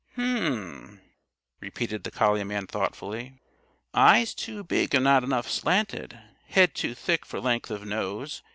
"H'm!" repeated the collie man thoughtfully. "Eyes too big and not enough slanted. Head too thick for length of nose.